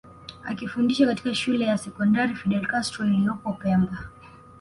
akifundisha katika shule ya sekondari Fidel Castro iliyopo pemba